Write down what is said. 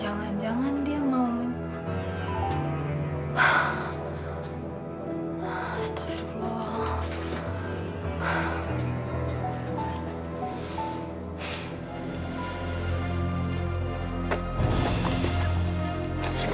jangan jangan di respect